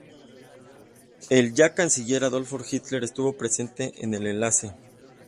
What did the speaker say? El ya canciller Adolf Hitler estuvo presente en el enlace.